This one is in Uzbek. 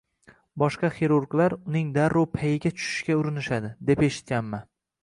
Boshqa xirurglar uning darrov payiga tushishga urinishadi deb eshitganman.